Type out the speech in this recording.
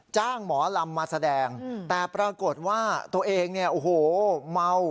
หมอลำมาแสดงแต่ปรากฏว่าตัวเองเนี่ยโอ้โหเมา